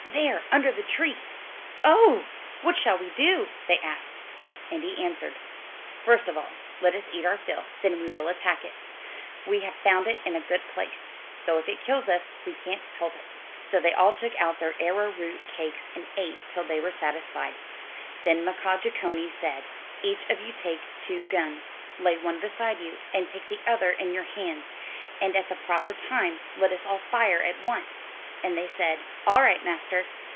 "There, under the tree." "Oh h! What shall we do?" they asked. And he answered: "First of all, let us eat our fill, then we will attack it. We have found it in a good place, though if it kills us, we can't help it." So they all took out their arrowroot cakes and ate till they were satisfied. Then Mkaaah Jeechonee said, "Each of you take two guns; lay one beside you and take the other in your hands, and at the proper time let us all fire at once." And they said, "All right, master."